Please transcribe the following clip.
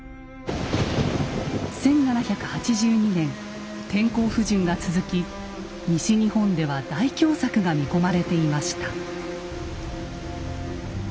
１７８２年天候不順が続き西日本では大凶作が見込まれていました。